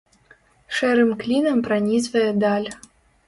Шэрым клінам пранізвае даль.